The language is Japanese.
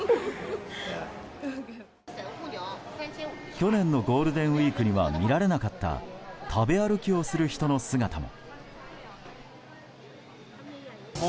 去年のゴールデンウィークには見られなかった食べ歩きをする人の姿も。